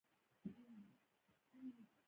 زه د چاپېریال په اړه لیکم.